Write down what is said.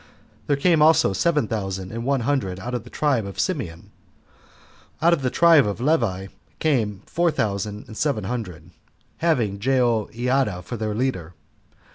There came also seven thousand and one hundred out of the tribe of Simeon. Out of the tribe of Levi came four thousand and seven hundred, having Jehoiada for their leader.